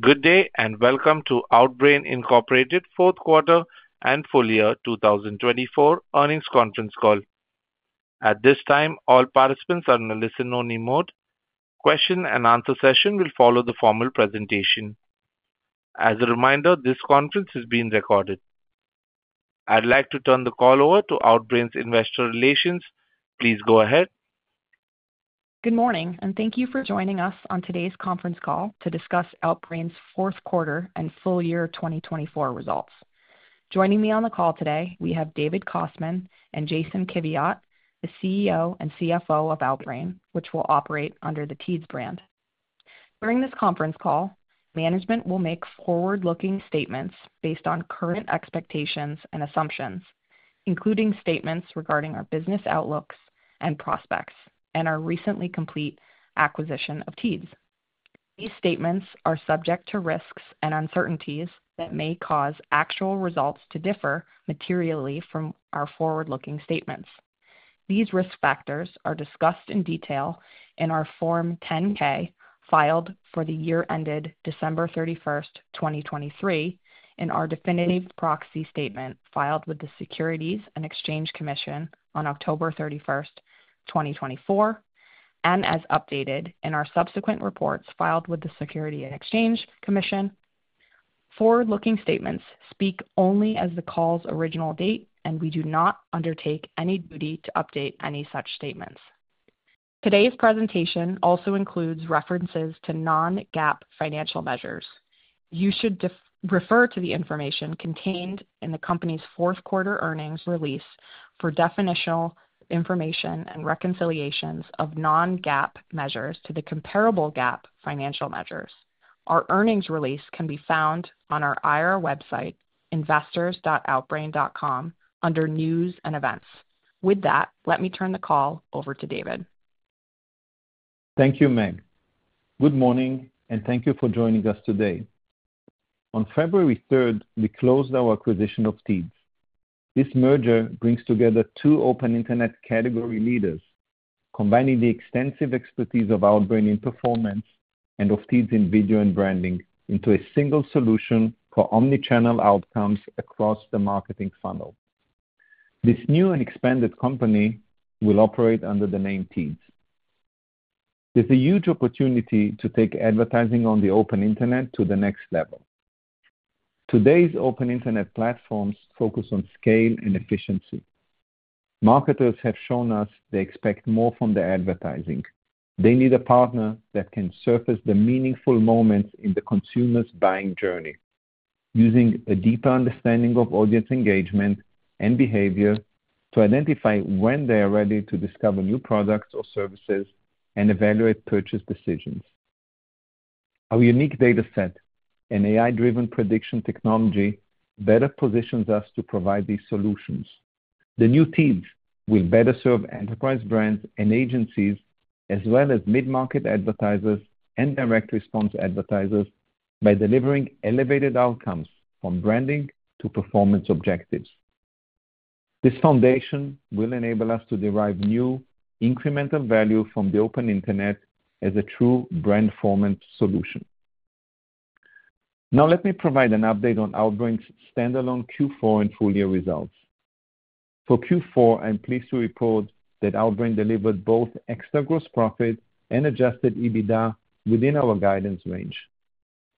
Good day and welcome to Outbrain, Fourth Quarter and Full Year 2024 Earnings Conference Call. At this time, all participants are in a listen-only mode. Question and answer session will follow the formal presentation. As a reminder, this conference is being recorded. I'd like to turn the call over to Outbrain's Investor Relations. Please go ahead. Good morning, and thank you for joining us on today's conference call to discuss Outbrain's Fourth Quarter and Full Year 2024 results. Joining me on the call today, we have David Kostman and Jason Kiviat, the CEO and CFO of Teads, which will operate under the Teads brand. During this conference call, management will make forward-looking statements based on current expectations and assumptions, including statements regarding our business outlooks and prospects and our recently completed acquisition of Teads. These statements are subject to risks and uncertainties that may cause actual results to differ materially from our forward-looking statements. These risk factors are discussed in detail in our Form 10-K filed for the year ended December 31st, 2023, in our definitive proxy statement filed with the Securities and Exchange Commission on October 31st, 2024, and as updated in our subsequent reports filed with the Securities and Exchange Commission. Forward-looking statements speak only as the call's original date, and we do not undertake any duty to update any such statements. Today's presentation also includes references to non-GAAP financial measures. You should refer to the information contained in the company's fourth quarter earnings release for definitional information and reconciliations of non-GAAP measures to the comparable GAAP financial measures. Our earnings release can be found on our IR website, investors.outbrain.com, under News and Events. With that, let me turn the call over to David. Thank you, Meg. Good morning, and thank you for joining us today. On February 3rd, we closed our acquisition of Teads. This merger brings together two Open Internet category leaders, combining the extensive expertise of Outbrain in performance and of Teads in video and branding into a single solution for omnichannel outcomes across the marketing funnel. This new and expanded company will operate under the name Teads. There is a huge opportunity to take advertising on the Open Internet to the next level. Today's Open Internet platforms focus on scale and efficiency. Marketers have shown us they expect more from the advertising. They need a partner that can surface the meaningful moments in the consumer's buying journey, using a deeper understanding of audience engagement and behavior to identify when they are ready to discover new products or services and evaluate purchase decisions. Our unique data set and AI-driven prediction technology better positions us to provide these solutions. The new Teads will better serve enterprise brands and agencies, as well as mid-market advertisers and direct response advertisers, by delivering elevated outcomes from branding to performance objectives. This foundation will enable us to derive new incremental value from the Open Internet as a true brandformance solution. Now, let me provide an update on Outbrain's standalone Q4 and full year results. For Q4, I'm pleased to report that Outbrain delivered both ex-TAC gross profit and adjusted EBITDA within our guidance range.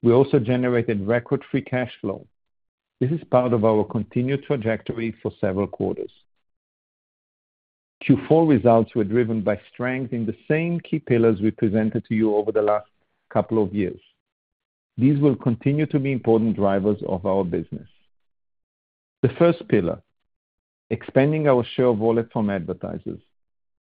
We also generated record free cash flow. This is part of our continued trajectory for several quarters. Q4 results were driven by strength in the same key pillars we presented to you over the last couple of years. These will continue to be important drivers of our business. The first pillar: expanding our share of wallet from advertisers.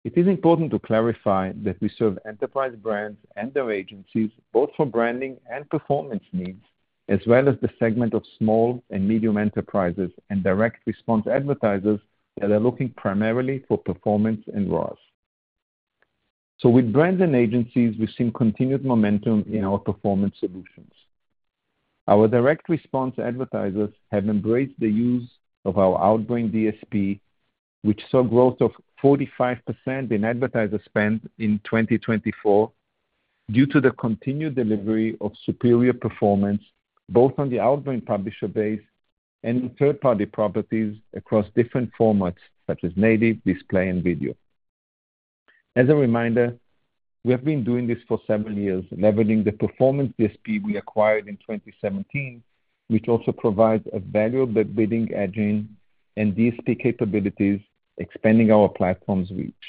It is important to clarify that we serve enterprise brands and their agencies, both for branding and performance needs, as well as the segment of small and medium enterprises and direct response advertisers that are looking primarily for performance and ROAS. With brands and agencies, we've seen continued momentum in our performance solutions. Our direct response advertisers have embraced the use of our Outbrain DSP, which saw growth of 45% in advertiser spend in 2024 due to the continued delivery of superior performance, both on the Outbrain publisher base and in third-party properties across different formats such as native, display, and video. As a reminder, we have been doing this for several years, leveraging the performance DSP we acquired in 2017, which also provides a valuable bidding edge in DSP capabilities, expanding our platform's reach.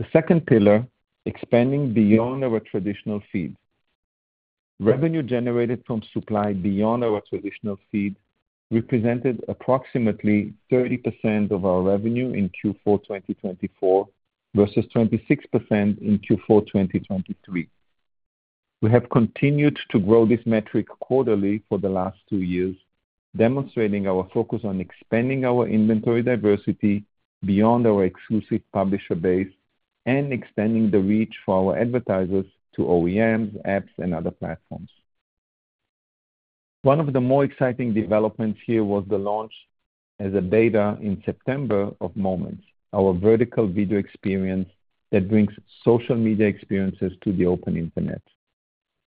The second pillar: expanding beyond our traditional feed. Revenue generated from supply beyond our traditional feed represented approximately 30% of our revenue in Q4 2024 versus 26% in Q4 2023. We have continued to grow this metric quarterly for the last two years, demonstrating our focus on expanding our inventory diversity beyond our exclusive publisher base and extending the reach for our advertisers to OEMs, apps, and other platforms. One of the more exciting developments here was the launch as a beta in September of Moments, our vertical video experience that brings social media experiences to the Open Internet.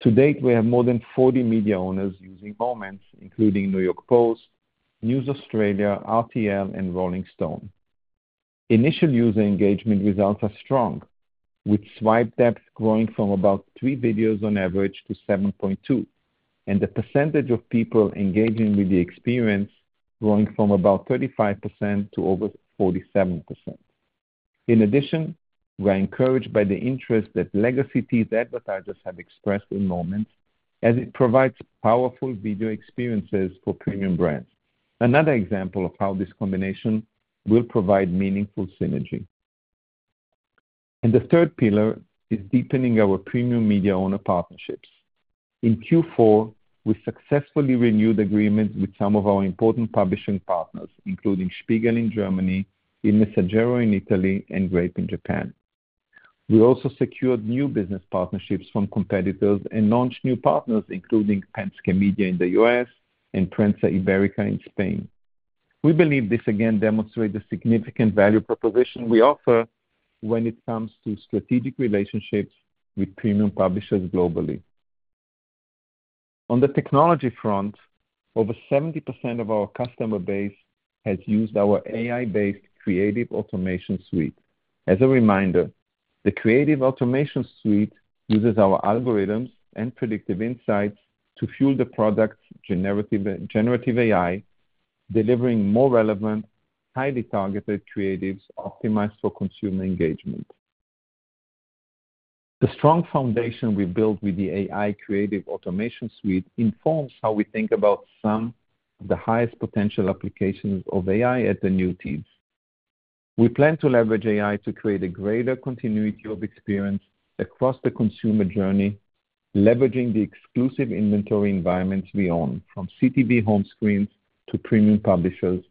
To date, we have more than 40 media owners using Moments, including New York Post, News Australia, RTL, and Rolling Stone. Initial user engagement results are strong, with swipe depth growing from about three videos on average to 7.2, and the percentage of people engaging with the experience growing from about 35% to over 47%. In addition, we are encouraged by the interest that legacy Teads advertisers have expressed in Moments, as it provides powerful video experiences for premium brands. Another example of how this combination will provide meaningful synergy. The third pillar is deepening our premium media owner partnerships. In Q4, we successfully renewed agreements with some of our important publishing partners, including Spiegel in Germany, Il Messaggero in Italy, and Grape in Japan. We also secured new business partnerships from competitors and launched new partners, including Penske Media in the U.S. and Prensa Ibérica in Spain. We believe this again demonstrates the significant value proposition we offer when it comes to strategic relationships with premium publishers globally. On the technology front, over 70% of our customer base has used our AI-based Creative Automation Suite. As a reminder, the Creative Automation Suite uses our algorithms and predictive insights to fuel the product's generative AI, delivering more relevant, highly targeted creatives optimized for consumer engagement. The strong foundation we have built with the AI Creative Automation Suite informs how we think about some of the highest potential applications of AI at the new Teads. We plan to leverage AI to create a greater continuity of experience across the consumer journey, leveraging the exclusive inventory environments we own, from CTV home screens to premium publishers,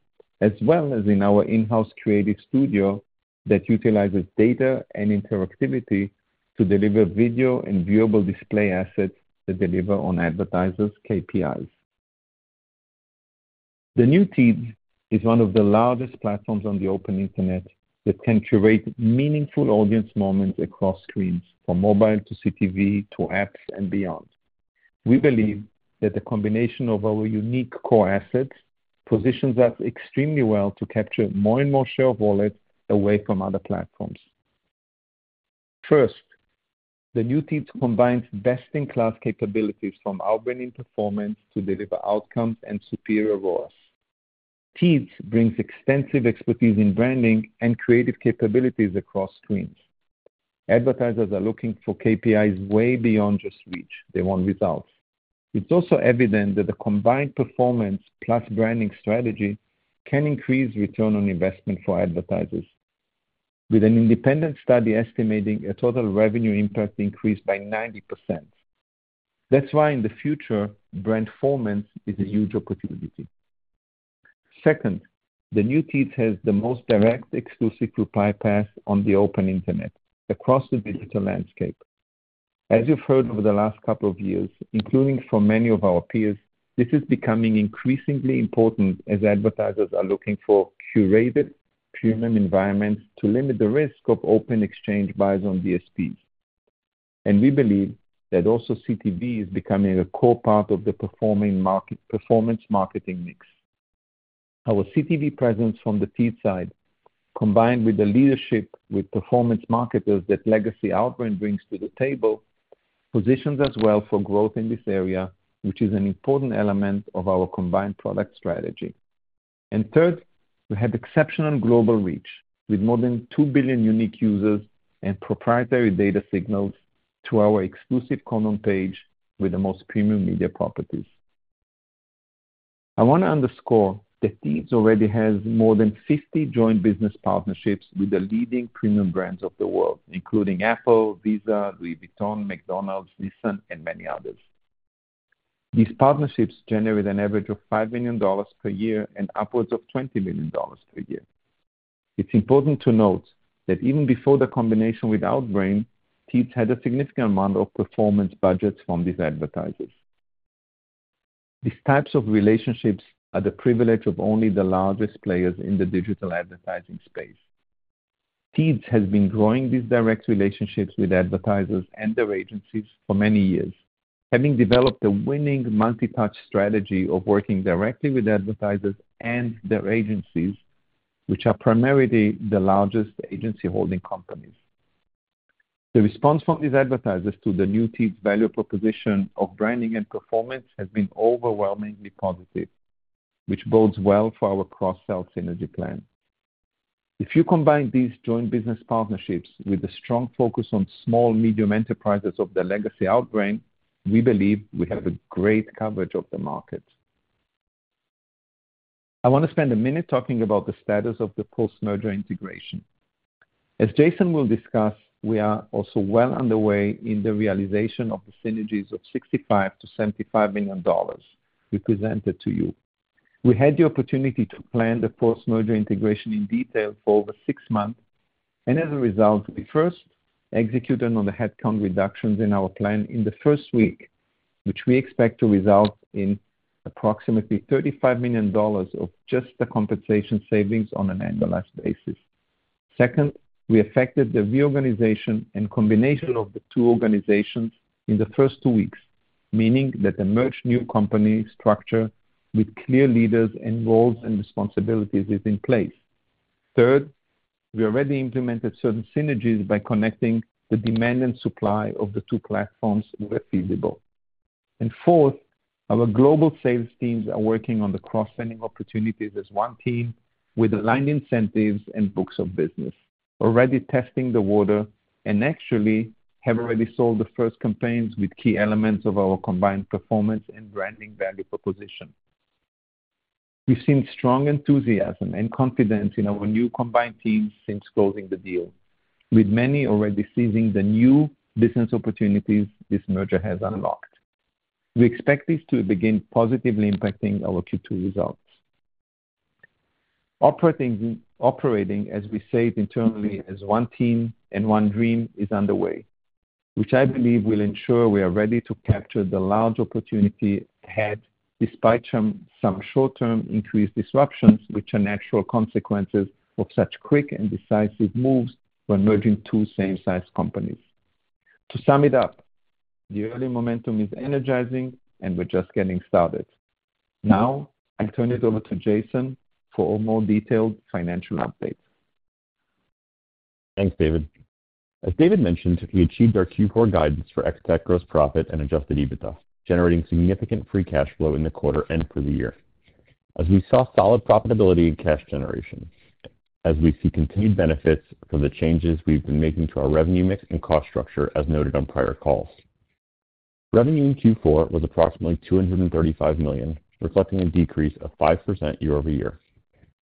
as well as in our in-house creative studio that utilizes data and interactivity to deliver video and viewable display assets that deliver on advertisers' KPIs. The new Teads is one of the largest platforms on the Open Internet that can curate meaningful audience moments across screens, from mobile to CTV to apps and beyond. We believe that the combination of our unique core assets positions us extremely well to capture more and more share of wallet away from other platforms. First, the new Teads combines best-in-class capabilities from Outbrain in performance to deliver outcomes and superior ROAS. Teads brings extensive expertise in branding and creative capabilities across screens. Advertisers are looking for KPIs way beyond just reach; they want results. It is also evident that the combined performance plus branding strategy can increase return on investment for advertisers, with an independent study estimating a total revenue impact increase by 90%. That is why in the future, brandformance is a huge opportunity. Second, the new Teads has the most direct exclusive supply paths on the Open Internet across the digital landscape. As you've heard over the last couple of years, including from many of our peers, this is becoming increasingly important as advertisers are looking for curated premium environments to limit the risk of open exchange buys on DSPs. We believe that also CTV is becoming a core part of the performance marketing mix. Our CTV presence from the Teads side, combined with the leadership with performance marketers that legacy Outbrain brings to the table, positions us well for growth in this area, which is an important element of our combined product strategy. Third, we have exceptional global reach with more than 2 billion unique users and proprietary data signals to our exclusive code on page with the most premium media properties. I want to underscore that Teads already has more than 50 joint business partnerships with the leading premium brands of the world, including Apple, Visa, Louis Vuitton, McDonald's, Nissan, and many others. These partnerships generate an average of $5 million per year and upwards of $20 million per year. It's important to note that even before the combination with Outbrain, Teads had a significant amount of performance budgets from these advertisers. These types of relationships are the privilege of only the largest players in the digital advertising space. Teads has been growing these direct relationships with advertisers and their agencies for many years, having developed a winning multi-touch strategy of working directly with advertisers and their agencies, which are primarily the largest agency-holding companies. The response from these advertisers to the new Teads' value proposition of branding and performance has been overwhelmingly positive, which bodes well for our cross-sell synergy plan. If you combine these joint business partnerships with a strong focus on small-medium enterprises of the legacy Outbrain, we believe we have a great coverage of the market. I want to spend a minute talking about the status of the post-merger integration. As Jason will discuss, we are also well underway in the realization of the synergies of $65 million-$75 million we presented to you. We had the opportunity to plan the post-merger integration in detail for over six months, and as a result, we first executed on the headcount reductions in our plan in the first week, which we expect to result in approximately $35 million of just the compensation savings on an annualized basis. Second, we affected the reorganization and combination of the two organizations in the first two weeks, meaning that the merged new company structure with clear leaders and roles and responsibilities is in place. Third, we already implemented certain synergies by connecting the demand and supply of the two platforms where feasible. Fourth, our global sales teams are working on the cross-selling opportunities as one team with aligned incentives and books of business, already testing the water and actually have already sold the first campaigns with key elements of our combined performance and branding value proposition. We've seen strong enthusiasm and confidence in our new combined teams since closing the deal, with many already seizing the new business opportunities this merger has unlocked. We expect this to begin positively impacting our Q2 results. Operating as we say internally as one team and one dream is underway, which I believe will ensure we are ready to capture the large opportunity ahead despite some short-term increased disruptions, which are natural consequences of such quick and decisive moves when merging two same-sized companies. To sum it up, the early momentum is energizing, and we're just getting started. Now, I'll turn it over to Jason for a more detailed financial update. Thanks, David. As David mentioned, we achieved our Q4 guidance for ex-TAC gross profit and adjusted EBITDA, generating significant free cash flow in the quarter and for the year, as we saw solid profitability in cash generation, as we see continued benefits from the changes we've been making to our revenue mix and cost structure, as noted on prior calls. Revenue in Q4 was approximately $235 million, reflecting a decrease of 5% year-over-year.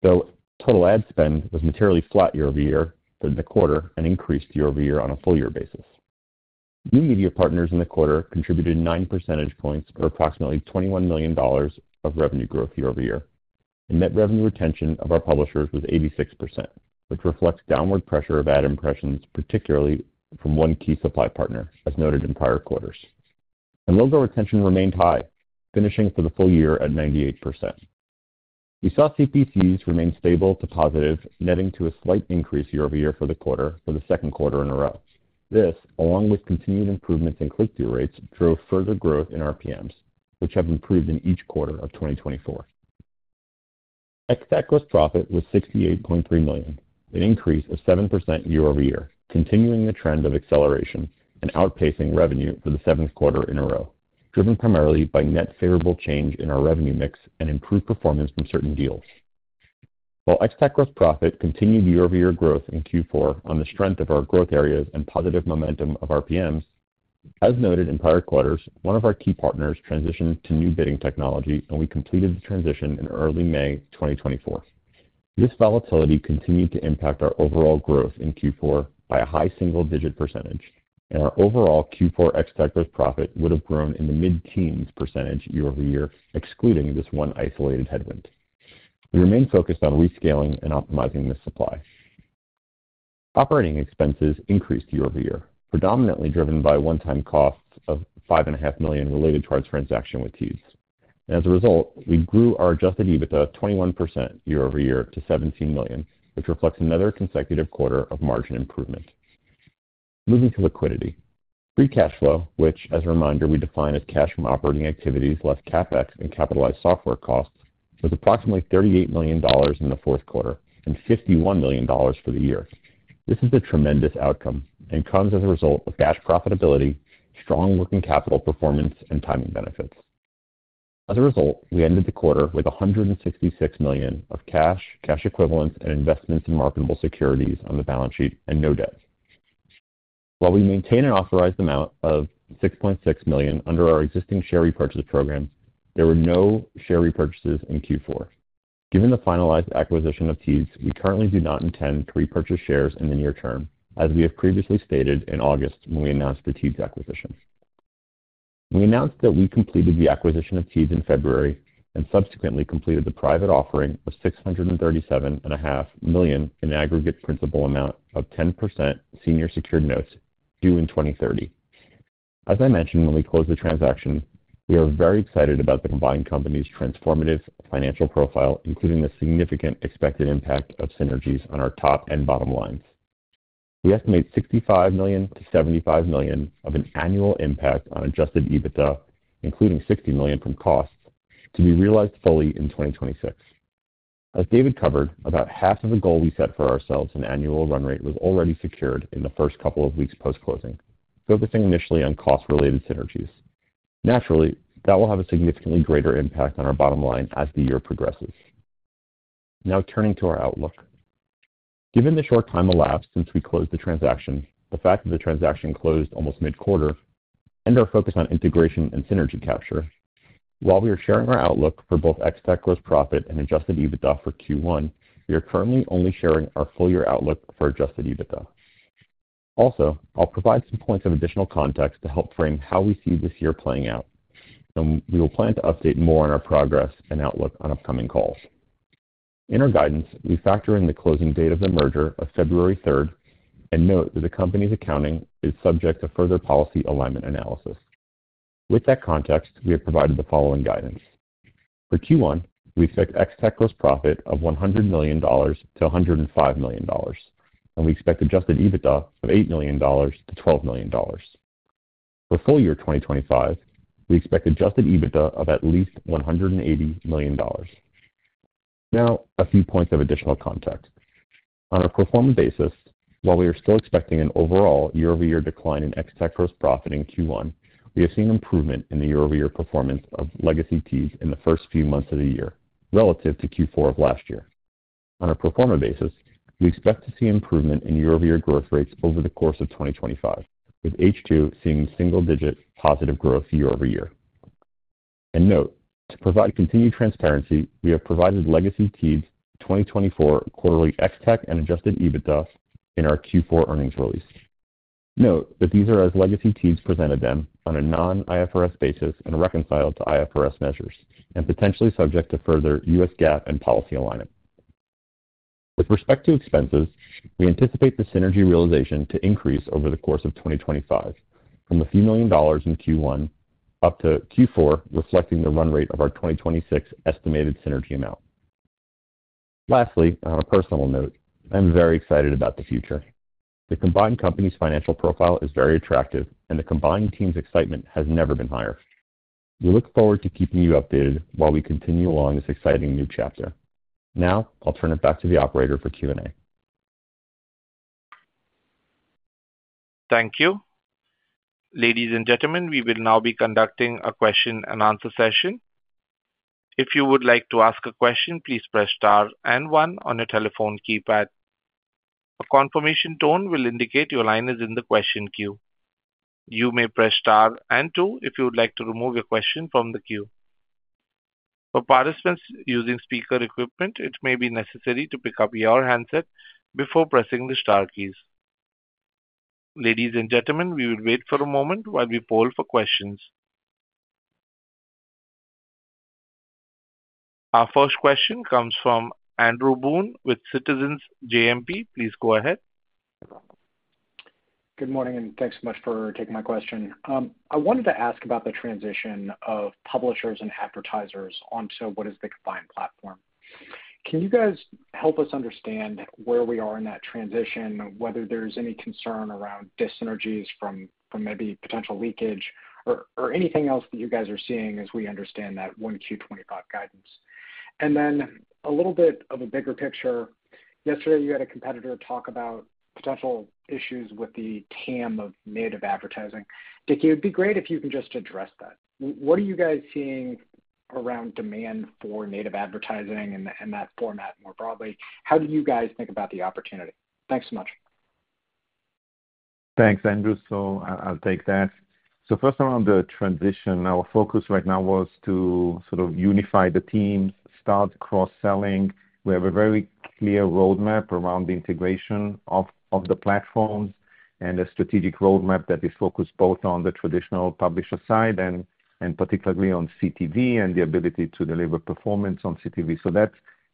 Though total ad spend was materially flat year-over-year in the quarter, and increased year-over-year on a full year basis. New media partners in the quarter contributed 9 percentage points or approximately $21 million of revenue growth year-over-year. Net revenue retention of our publishers was 86%, which reflects downward pressure of ad impressions, particularly from one key supply partner, as noted in prior quarters. Logo retention remained high, finishing for the full year at 98%. We saw CPCs remain stable to positive, netting to a slight increase year-over-year for the quarter for the second quarter in a row. This, along with continued improvements in click-through rates, drove further growth in RPMs, which have improved in each quarter of 2024. Ex-TAC gross profit was $68.3 million, an increase of 7% year-over-year, continuing the trend of acceleration and outpacing revenue for the seventh quarter in a row, driven primarily by net favorable change in our revenue mix and improved performance from certain deals. While ex-TAC gross profit continued year-over-year growth in Q4 on the strength of our growth areas and positive momentum of RPMs, as noted in prior quarters, one of our key partners transitioned to new bidding technology, and we completed the transition in early May 2024. This volatility continued to impact our overall growth in Q4 by a high single-digit percentage, and our overall Q4 ex-TAC gross profit would have grown in the mid-teens percentage year-over-year, excluding this one isolated headwind. We remained focused on rescaling and optimizing the supply. Operating expenses increased year-over-year, predominantly driven by one-time costs of $5.5 million related to our transaction with Teads. As a result, we grew our adjusted EBITDA 21% year-over-year to $17 million, which reflects another consecutive quarter of margin improvement. Moving to liquidity, free cash flow, which, as a reminder, we define as cash from operating activities less CapEx and capitalized software costs, was approximately $38 million in the fourth quarter and $51 million for the year. This is a tremendous outcome and comes as a result of cash profitability, strong working capital performance, and timing benefits. As a result, we ended the quarter with $166 million of cash, cash equivalents, and investments in marketable securities on the balance sheet and no debt. While we maintain an authorized amount of $6.6 million under our existing share repurchase program, there were no share repurchases in Q4. Given the finalized acquisition of Teads, we currently do not intend to repurchase shares in the near term, as we have previously stated in August when we announced the Teads acquisition. We announced that we completed the acquisition of Teads in February and subsequently completed the private offering of $637.5 million in aggregate principal amount of 10% senior secured notes due in 2030. As I mentioned when we closed the transaction, we are very excited about the combined company's transformative financial profile, including the significant expected impact of synergies on our top and bottom lines. We estimate $65 million-$75 million of an annual impact on adjusted EBITDA, including $60 million from costs, to be realized fully in 2026. As David covered, about half of the goal we set for ourselves in annual run rate was already secured in the first couple of weeks post-closing, focusing initially on cost-related synergies. Naturally, that will have a significantly greater impact on our bottom line as the year progresses. Now, turning to our outlook. Given the short time elapsed since we closed the transaction, the fact that the transaction closed almost mid-quarter, and our focus on integration and synergy capture, while we are sharing our outlook for both ex-TAC gross profit and adjusted EBITDA for Q1, we are currently only sharing our full year outlook for adjusted EBITDA. Also, I'll provide some points of additional context to help frame how we see this year playing out, and we will plan to update more on our progress and outlook on upcoming calls. In our guidance, we factor in the closing date of the merger of February 3rd and note that the company's accounting is subject to further policy alignment analysis. With that context, we have provided the following guidance. For Q1, we expect ex-TAC gross profit of $100 million-$105 million, and we expect adjusted EBITDA of $8 million-$12 million. For full year 2025, we expect adjusted EBITDA of at least $180 million. Now, a few points of additional context. On a performance basis, while we are still expecting an overall year-over-year decline in ex-TAC gross profit in Q1, we have seen improvement in the year-over-year performance of legacy Teads in the first few months of the year relative to Q4 of last year. On a pro forma basis, we expect to see improvement in year-over-year growth rates over the course of 2025, with H2 seeing single-digit positive growth year-over-year. And note, to provide continued transparency, we have provided legacy Teads' 2024 quarterly ex-TAC and adjusted EBITDA in our Q4 earnings release. Note that these are as legacy Teads presented them on a non-IFRS basis and reconciled to IFRS measures and potentially subject to further U.S. GAAP and policy alignment. With respect to expenses, we anticipate the synergy realization to increase over the course of 2025 from a few million dollars in Q1 up to Q4, reflecting the run rate of our 2026 estimated synergy amount. Lastly, on a personal note, I'm very excited about the future. The combined company's financial profile is very attractive, and the combined team's excitement has never been higher. We look forward to keeping you updated while we continue along this exciting new chapter. Now, I'll turn it back to the operator for Q&A. Thank you. Ladies and gentlemen, we will now be conducting a question and answer session. If you would like to ask a question, please press star and one on your telephone keypad. A confirmation tone will indicate your line is in the question queue. You may press star and two if you would like to remove your question from the queue. For participants using speaker equipment, it may be necessary to pick up your handset before pressing the star keys. Ladies and gentlemen, we will wait for a moment while we poll for questions. Our first question comes from Andrew Boone with Citizens JMP. Please go ahead. Good morning, and thanks so much for taking my question. I wanted to ask about the transition of publishers and advertisers onto what is the combined platform. Can you guys help us understand where we are in that transition, whether there's any concern around dis-synergies from maybe potential leakage or anything else that you guys are seeing as we understand that 1Q 2025 guidance? A little bit of a bigger picture. Yesterday, you had a competitor talk about potential issues with the TAM of native advertising. I think it would be great if you can just address that. What are you guys seeing around demand for native advertising and that format more broadly? How do you guys think about the opportunity? Thanks so much. Thanks, Andrew. I'll take that. First, around the transition, our focus right now was to sort of unify the teams, start cross-selling. We have a very clear roadmap around the integration of the platforms and a strategic roadmap that is focused both on the traditional publisher side and particularly on CTV and the ability to deliver performance on CTV.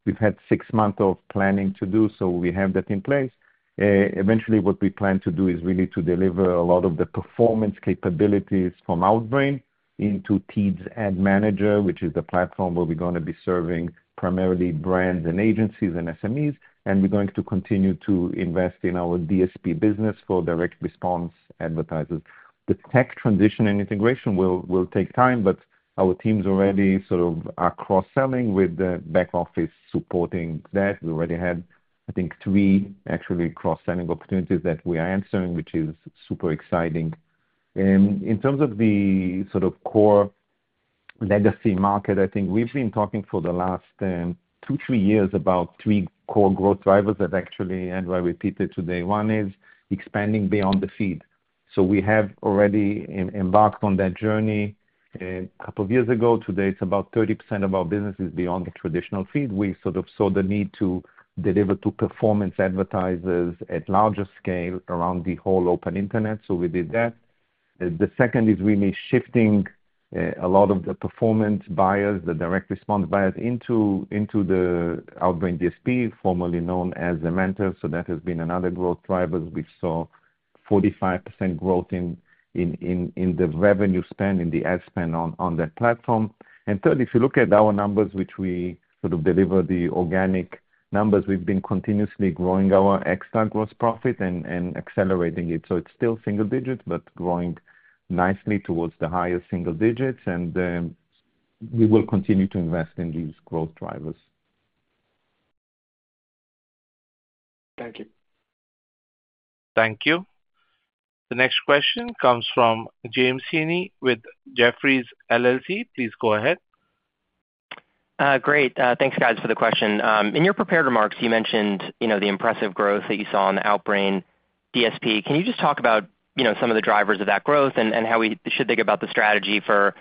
We have had six months of planning to do, so we have that in place. Eventually, what we plan to do is really to deliver a lot of the performance capabilities from Outbrain into Teads Ad Manager, which is the platform where we're going to be serving primarily brands and agencies and SMEs, and we're going to continue to invest in our DSP business for direct response advertisers. The tech transition and integration will take time, but our teams already sort of are cross-selling with the back office supporting that. We already had, I think, three actually cross-selling opportunities that we are answering, which is super exciting. In terms of the sort of core legacy market, I think we've been talking for the last two, three years about three core growth drivers that actually had, I repeat it today, one is expanding beyond the feed. We have already embarked on that journey a couple of years ago. Today, it's about 30% of our business is beyond the traditional feed. We sort of saw the need to deliver to performance advertisers at larger scale around the whole open internet, so we did that. The second is really shifting a lot of the performance buyers, the direct response buyers into the Outbrain DSP, formerly known as Zemanta. That has been another growth driver. We saw 45% growth in the revenue spend, in the ad spend on that platform. Third, if you look at our numbers, which we sort of deliver the organic numbers, we have been continuously growing our ex-TAC gross profit and accelerating it. It is still single digits, but growing nicely towards the higher single digits, and we will continue to invest in these growth drivers. Thank you. Thank you. The next question comes from James Heaney with Jefferies. Please go ahead. Great. Thanks, guys, for the question. In your prepared remarks, you mentioned the impressive growth that you saw on the Outbrain DSP. Can you just talk about some of the drivers of that growth and how we should think about the strategy for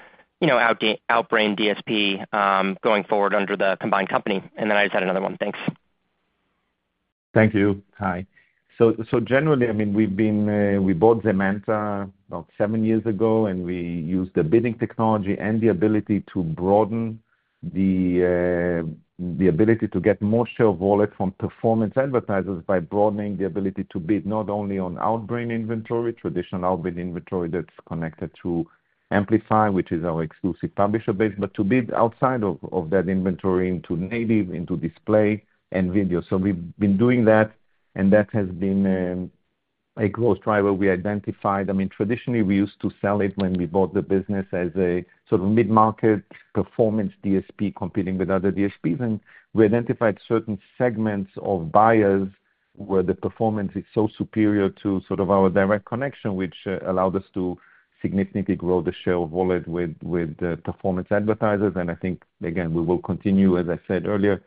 Outbrain DSP going forward under the combined company? I just had another one. Thanks. Thank you. Hi. Generally, I mean, we bought Zemanta about seven years ago, and we used the bidding technology and the ability to broaden the ability to get more share of wallet from performance advertisers by broadening the ability to bid not only on Outbrain inventory, traditional Outbrain inventory that's connected to Amplify, which is our exclusive publisher base, but to bid outside of that inventory into native, into display, and video. We have been doing that, and that has been a growth driver we identified. I mean, traditionally, we used to sell it when we bought the business as a sort of mid-market performance DSP competing with other DSPs, and we identified certain segments of buyers where the performance is so superior to sort of our direct connection, which allowed us to significantly grow the share of wallet with performance advertisers. I think, again, we will continue, as I said earlier,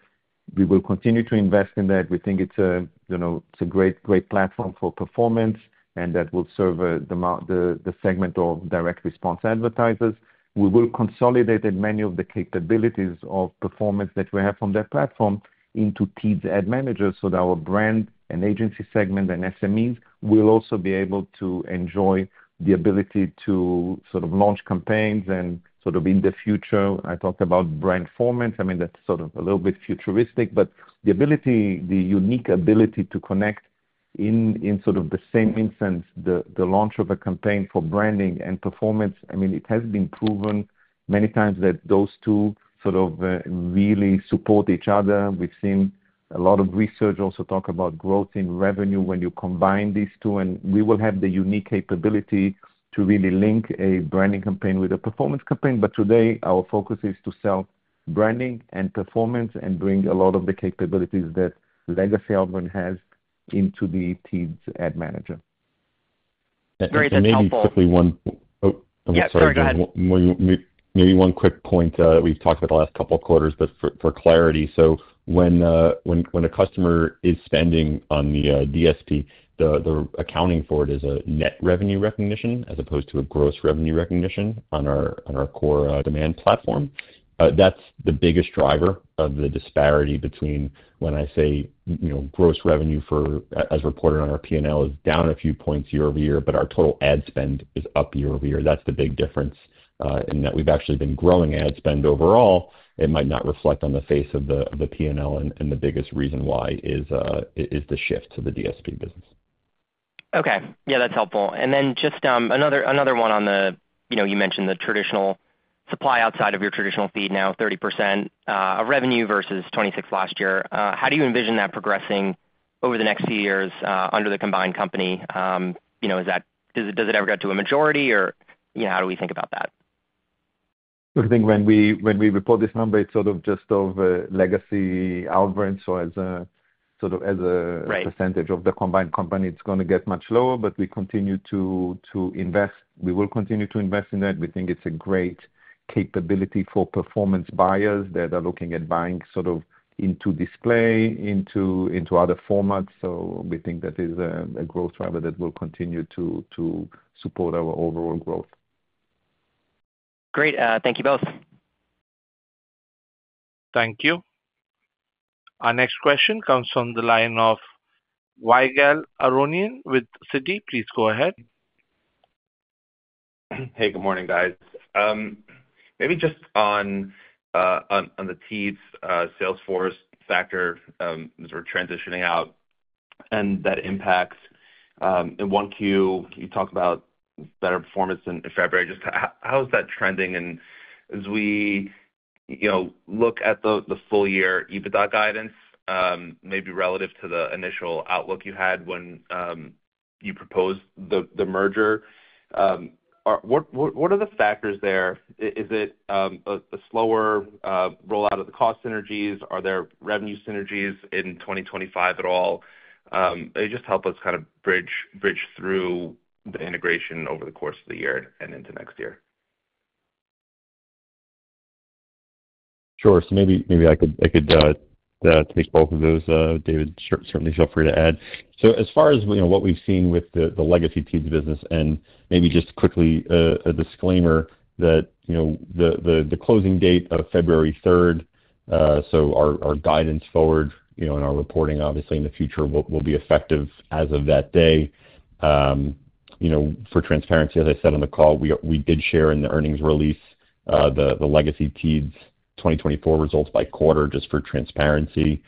we will continue to invest in that. We think it's a great platform for performance, and that will serve the segment of direct response advertisers. We will consolidate many of the capabilities of performance that we have from that platform into Teads Ad Manager so that our brand and agency segment and SMEs will also be able to enjoy the ability to sort of launch campaigns. In the future, I talked about brandformance. I mean, that's sort of a little bit futuristic, but the ability, the unique ability to connect in sort of the same instance, the launch of a campaign for branding and performance, I mean, it has been proven many times that those two sort of really support each other. We've seen a lot of research also talk about growth in revenue when you combine these two, and we will have the unique capability to really link a branding campaign with a performance campaign. Today, our focus is to sell branding and performance and bring a lot of the capabilities that legacy Outbrain has into the Teads Ad Manager. That's very helpful. Maybe one quick point we've talked about the last couple of quarters, but for clarity, when a customer is spending on the DSP, the accounting for it is a net revenue recognition as opposed to a gross revenue recognition on our core demand platform. That's the biggest driver of the disparity between when I say gross revenue for, as reported on our P&L, is down a few points year-over-year, but our total ad spend is up year-over-year. That's the big difference in that we've actually been growing ad spend overall. It might not reflect on the face of the P&L, and the biggest reason why is the shift to the DSP business. Okay. Yeah, that's helpful. Just another one on the, you mentioned the traditional supply outside of your traditional feed now, 30% of revenue versus 26% last year. How do you envision that progressing over the next few years under the combined company? Does it ever get to a majority, or how do we think about that? Look, I think when we report this number, it's sort of just of legacy Outbrain. As a sort of percentage of the combined company, it's going to get much lower, but we continue to invest. We will continue to invest in that. We think it's a great capability for performance buyers that are looking at buying sort of into display, into other formats. We think that is a growth driver that will continue to support our overall growth. Great. Thank you both. Thank you. Our next question comes from the line of Ygal Arounian with Citi. Please go ahead. Hey, good morning, guys. Maybe just on the Teads sales force factor, sort of transitioning out and that impacts in one queue, you talked about better performance in February. Just how is that trending? As we look at the full year EBITDA guidance, maybe relative to the initial outlook you had when you proposed the merger, what are the factors there? Is it a slower rollout of the cost synergies? Are there revenue synergies in 2025 at all? Just help us kind of bridge through the integration over the course of the year and into next year. Sure. Maybe I could take both of those, David. Certainly, feel free to add. As far as what we've seen with the legacy Teads business, and maybe just quickly a disclaimer that the closing date of February 3rd, so our guidance forward in our reporting, obviously in the future, will be effective as of that day. For transparency, as I said on the call, we did share in the earnings release the legacy Teads 2024 results by quarter just for transparency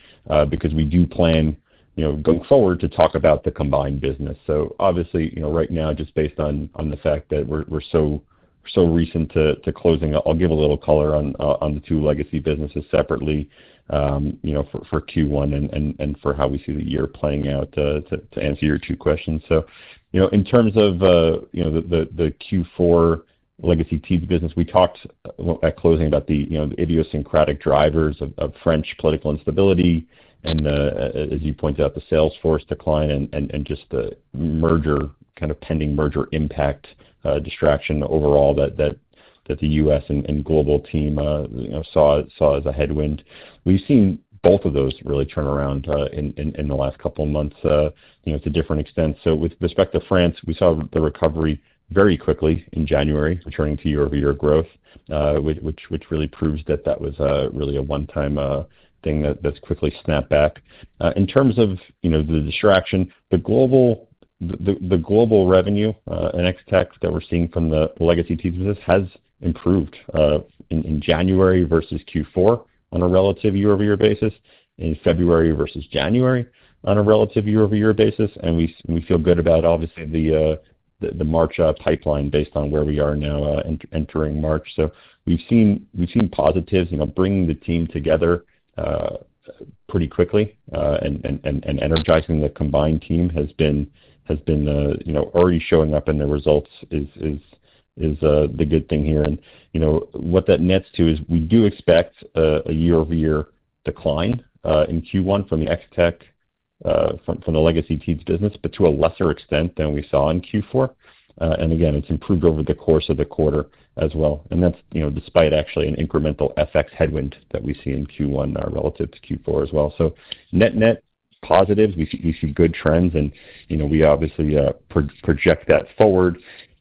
because we do plan going forward to talk about the combined business. Obviously, right now, just based on the fact that we're so recent to closing, I'll give a little color on the two legacy businesses separately for Q1 and for how we see the year playing out to answer your two questions. In terms of the Q4 legacy Teads business, we talked at closing about the idiosyncratic drivers of French political instability and, as you pointed out, the sales force decline and just the merger, kind of pending merger impact distraction overall that the U.S. and global team saw as a headwind. We've seen both of those really turn around in the last couple of months to different extents. With respect to France, we saw the recovery very quickly in January, returning to year-over-year growth, which really proves that that was really a one-time thing that's quickly snapped back. In terms of the distraction, the global revenue and ex-TAC that we're seeing from the legacy Teads business has improved in January versus Q4 on a relative year-over-year basis, in February versus January on a relative year-over-year basis. We feel good about, obviously, the March pipeline based on where we are now entering March. We have seen positives, bringing the team together pretty quickly and energizing the combined team has been already showing up in the results, which is the good thing here. What that nets to is we do expect a year-over-year decline in Q1 from the ex-TAC, from the legacy Teads business, but to a lesser extent than we saw in Q4. Again, it has improved over the course of the quarter as well. That is despite actually an incremental FX headwind that we see in Q1 relative to Q4 as well. Net-net positives, we see good trends, and we obviously project that forward.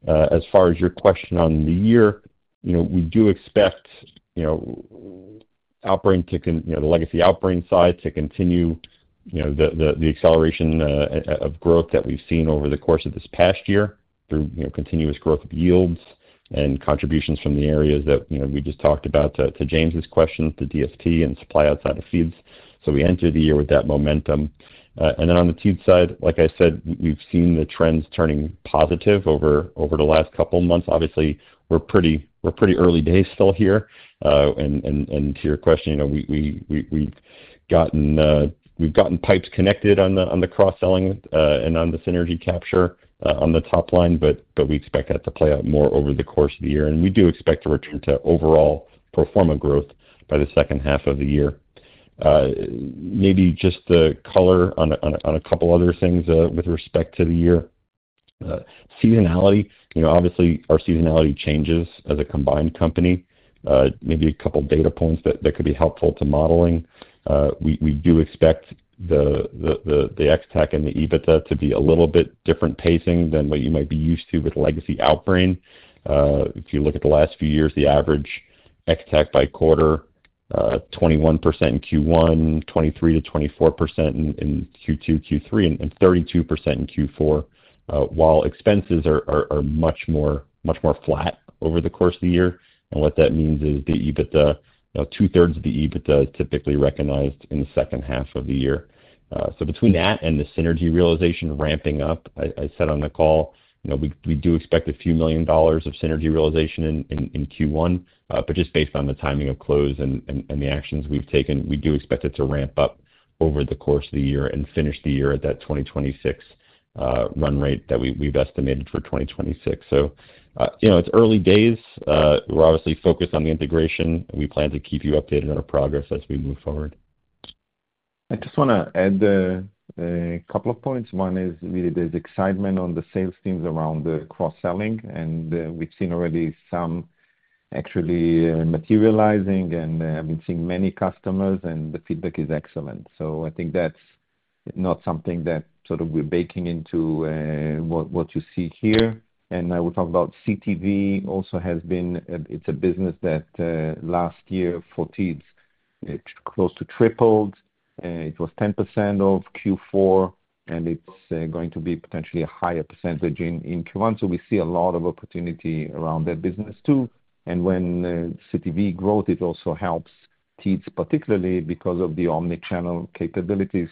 As far as your question on the year, we do expect Outbrain, the legacy Outbrain side, to continue the acceleration of growth that we've seen over the course of this past year through continuous growth of yields and contributions from the areas that we just talked about to James's question, the DSP and supply outside of feeds. We entered the year with that momentum. On the Teads side, like I said, we've seen the trends turning positive over the last couple of months. Obviously, we're pretty early days still here. To your question, we've gotten pipes connected on the cross-selling and on the synergy capture on the top line, but we expect that to play out more over the course of the year. We do expect to return to overall performance growth by the second half of the year. Maybe just the color on a couple of other things with respect to the year. Seasonality. Obviously, our seasonality changes as a combined company. Maybe a couple of data points that could be helpful to modeling. We do expect the ex-TAC and the EBITDA to be a little bit different pacing than what you might be used to with legacy Outbrain. If you look at the last few years, the average ex-TAC by quarter, 21% in Q1, 23%-24% in Q2, Q3, and 32% in Q4, while expenses are much more flat over the course of the year. What that means is the EBITDA, two-thirds of the EBITDA is typically recognized in the second half of the year. Between that and the synergy realization ramping up, I said on the call, we do expect a few million dollars of synergy realization in Q1, but just based on the timing of close and the actions we've taken, we do expect it to ramp up over the course of the year and finish the year at that 2026 run rate that we've estimated for 2026. It is early days. We're obviously focused on the integration. We plan to keep you updated on our progress as we move forward. I just want to add a couple of points. One is really there's excitement on the sales teams around the cross-selling, and we've seen already some actually materializing, and I've been seeing many customers, and the feedback is excellent. I think that's not something that sort of we're baking into what you see here. I will talk about CTV. Also has been, it's a business that last year for Teads close to tripled. It was 10% of Q4, and it's going to be potentially a higher percentage in Q1. We see a lot of opportunity around that business too. When CTV growth, it also helps Teads particularly because of the omnichannel capability.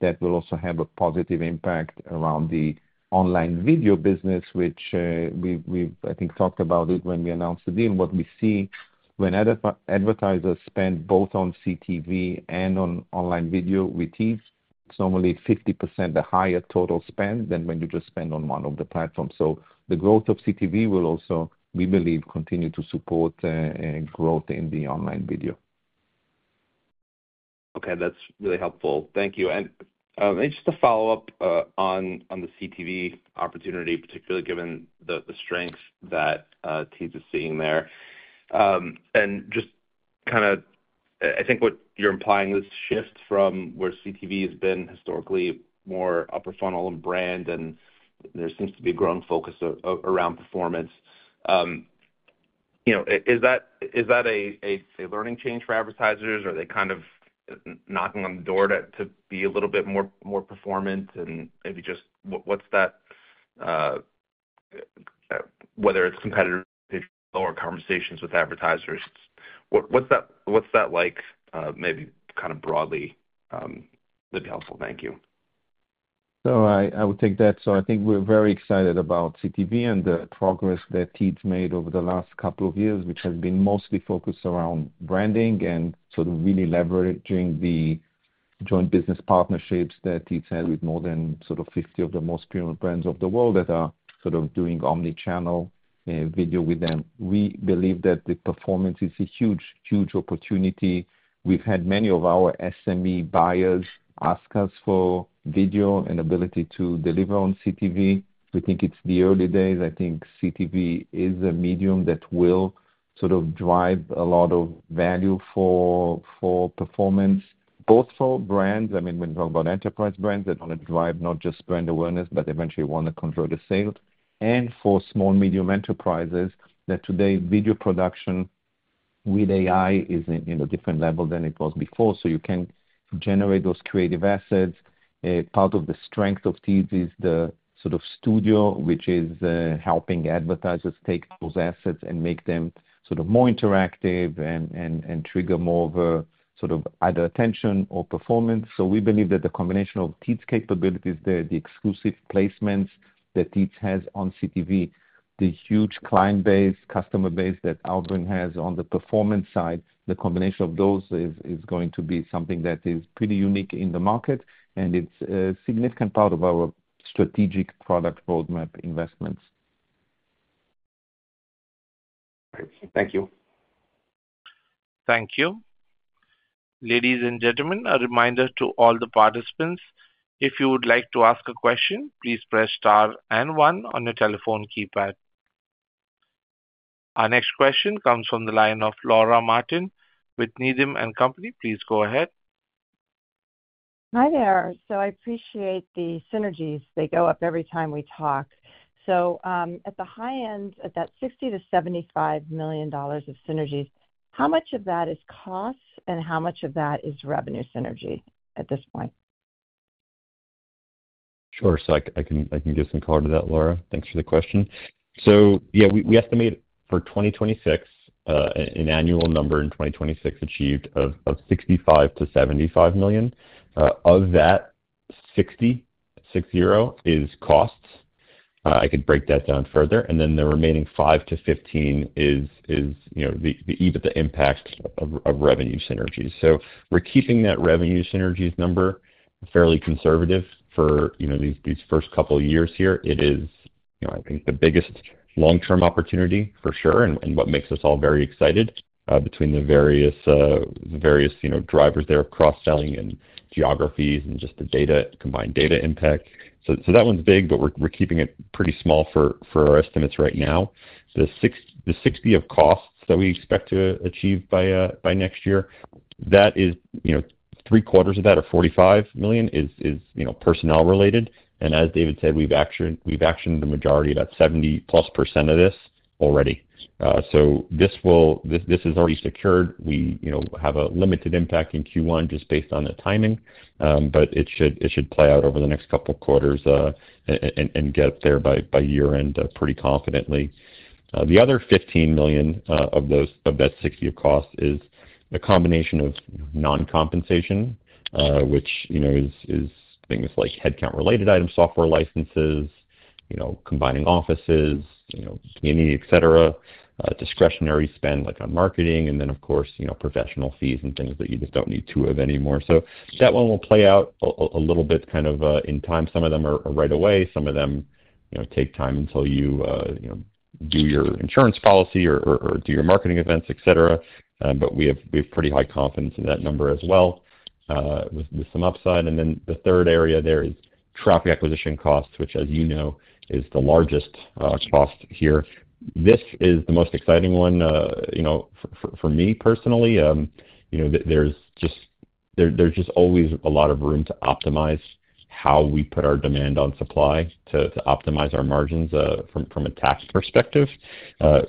That will also have a positive impact around the online video business, which we've, I think, talked about it when we announced the deal. What we see when advertisers spend both on CTV and on online video with Teads, it's normally 50% a higher total spend than when you just spend on one of the platforms. The growth of CTV will also, we believe, continue to support growth in the online video. Okay. That's really helpful. Thank you. Just a follow-up on the CTV opportunity, particularly given the strength that Teads is seeing there. Just kind of, I think what you're implying is shift from where CTV has been historically more upper funnel and brand, and there seems to be a growing focus around performance. Is that a learning change for advertisers, or are they kind of knocking on the door to be a little bit more performant? Maybe just what's that, whether it's competitive or conversations with advertisers? What's that like, maybe kind of broadly? That'd be helpful. Thank you. I would take that. I think we're very excited about CTV and the progress that Teads made over the last couple of years, which has been mostly focused around branding and sort of really leveraging the joint business partnerships that Teads had with more than 50 of the most premium brands of the world that are sort of doing omnichannel video with them. We believe that the performance is a huge, huge opportunity. We've had many of our SME buyers ask us for video and ability to deliver on CTV. We think it's the early days. I think CTV is a medium that will sort of drive a lot of value for performance, both for brands. I mean, when we talk about enterprise brands, they want to drive not just brand awareness, but eventually want to convert the sales. For small, medium enterprises, today video production with AI is in a different level than it was before. You can generate those creative assets. Part of the strength of Teads is the sort of studio, which is helping advertisers take those assets and make them sort of more interactive and trigger more of a sort of either attention or performance. We believe that the combination of Teads capabilities, the exclusive placements that Teads has on CTV, the huge client base, customer base that Outbrain has on the performance side, the combination of those is going to be something that is pretty unique in the market, and it is a significant part of our strategic product roadmap investments. Great. Thank you. Thank you. Ladies and gentlemen, a reminder to all the participants, if you would like to ask a question, please press star and one on your telephone keypad. Our next question comes from the line of Laura Martin with Needham & Company. Please go ahead. Hi there. I appreciate the synergies. They go up every time we talk. At the high end, at that $60 million-$75 million of synergies, how much of that is cost and how much of that is revenue synergy at this point? Sure. I can give some color to that, Laura. Thanks for the question. We estimate for 2026, an annual number in 2026 achieved of $65 million-$75 million. Of that, $60 million is costs. I could break that down further. The remaining $5 million-$15 million is the EBITDA impact of revenue synergies. We're keeping that revenue synergies number fairly conservative for these first couple of years here. It is, I think, the biggest long-term opportunity for sure and what makes us all very excited between the various drivers there of cross-selling and geographies and just the combined data impact. That one's big, but we're keeping it pretty small for our estimates right now. The $60 million of costs that we expect to achieve by next year, three-quarters of that, or $45 million, is personnel related. As David said, we've actioned the majority, about 70% plus of this already. This is already secured. We have a limited impact in Q1 just based on the timing, but it should play out over the next couple of quarters and get there by year-end pretty confidently. The other $15 million of that $60 million of costs is a combination of non-compensation, which is things like headcount-related items, software licenses, combining offices, community, etc., discretionary spend like on marketing, and then, of course, professional fees and things that you just do not need to have anymore. That one will play out a little bit kind of in time. Some of them are right away. Some of them take time until you do your insurance policy or do your marketing events, etc. We have pretty high confidence in that number as well with some upside. The third area there is traffic acquisition costs, which, as you know, is the largest cost here. This is the most exciting one for me personally. There is just always a lot of room to optimize how we put our demand on supply to optimize our margins from a TAC perspective.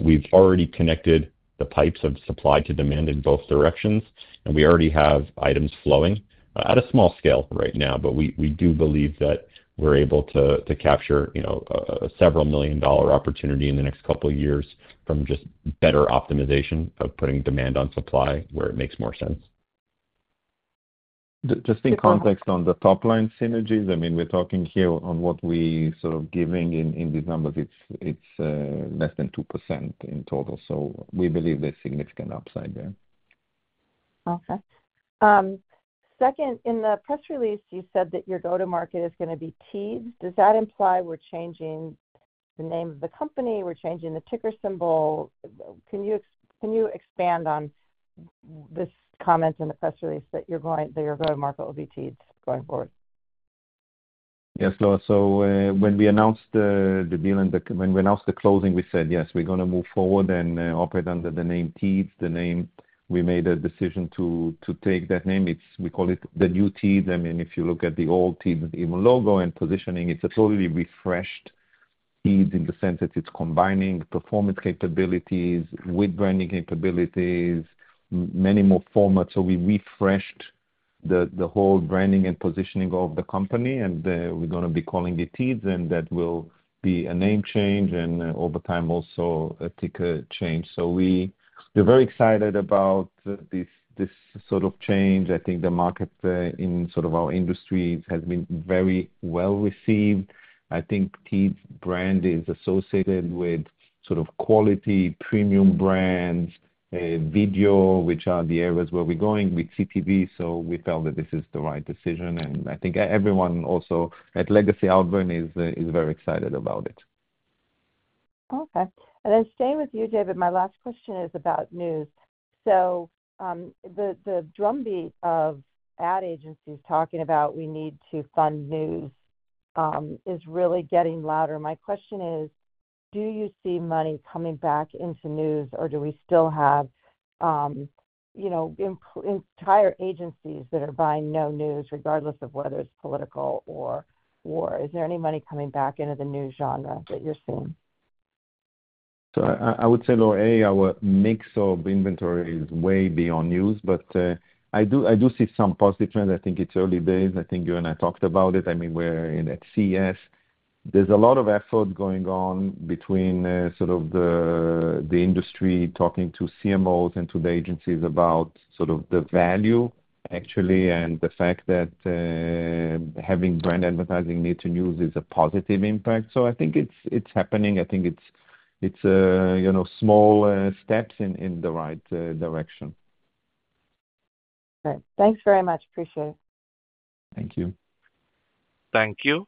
We've already connected the pipes of supply to demand in both directions, and we already have items flowing at a small scale right now, but we do believe that we're able to capture a several million dollar opportunity in the next couple of years from just better optimization of putting demand on supply where it makes more sense. Just in context on the top line synergies, I mean, we're talking here on what we're sort of giving in these numbers. It's less than 2% in total. We believe there's significant upside there. Awesome. Second, in the press release, you said that your go-to-market is going to be Teads. Does that imply we're changing the name of the company? We're changing the ticker symbol? Can you expand on this comment in the press release that your go-to-market will be Teads going forward? Yes, Laura. When we announced the deal and when we announced the closing, we said, "Yes, we're going to move forward and operate under the name Teads." The name, we made a decision to take that name. We call it the new Teads. I mean, if you look at the old Teads, even logo and positioning, it's a totally refreshed Teads in the sense that it's combining performance capabilities with branding capabilities, many more formats. We refreshed the whole branding and positioning of the company, and we're going to be calling it Teads, and that will be a name change and over time also a ticker change. We're very excited about this sort of change. I think the market in sort of our industries has been very well received. I think Teads brand is associated with sort of quality, premium brands, video, which are the areas where we're going with CTV. We felt that this is the right decision. I think everyone also at Legacy Outbrain is very excited about it. Okay. Staying with you, David, my last question is about news. The drumbeat of ad agencies talking about we need to fund news is really getting louder. My question is, do you see money coming back into news, or do we still have entire agencies that are buying no news regardless of whether it's political or war? Is there any money coming back into the news genre that you're seeing? I would say, Laura, our mix of inventory is way beyond news, but I do see some positive trends. I think it's early days. I think you and I talked about it. I mean, we're in at CES. There's a lot of effort going on between sort of the industry talking to CMOs and to the agencies about sort of the value, actually, and the fact that having brand advertising near to news is a positive impact. I think it's happening. I think it's small steps in the right direction. Okay. Thanks very much. Appreciate it. Thank you. Thank you.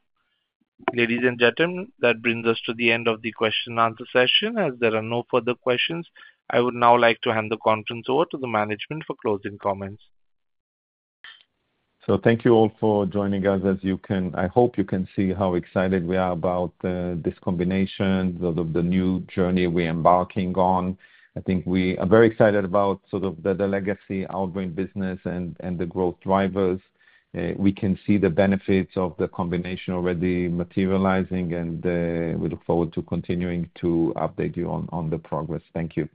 Ladies and gentlemen, that brings us to the end of the question-and-answer session. As there are no further questions, I would now like to hand the conference over to the management for closing comments. Thank you all for joining us. As you can, I hope you can see how excited we are about this combination, sort of the new journey we're embarking on. I think we are very excited about sort of the Legacy Outbrain business and the growth drivers. We can see the benefits of the combination already materializing, and we look forward to continuing to update you on the progress. Thank you.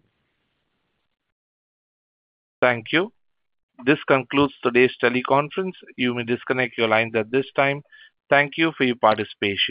Thank you. This concludes today's teleconference. You may disconnect your lines at this time. Thank you for your participation.